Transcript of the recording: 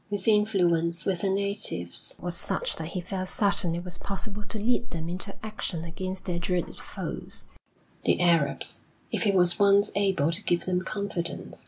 His influence with the natives was such that he felt certain it was possible to lead them into action against their dreaded foes, the Arabs, if he was once able to give them confidence.